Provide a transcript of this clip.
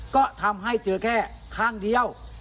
ก็ทำให้เจอแค่ข้างเดียว